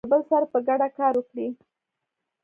که خلک له يو بل سره په ګډه کار وکړي.